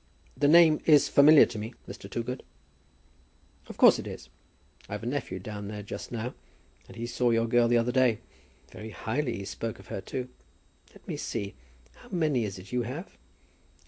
"The name is familiar to me, Mr. Toogood." "Of course it is. I've a nephew down there just now, and he saw your girl the other day; very highly he spoke of her too. Let me see; how many is it you have?"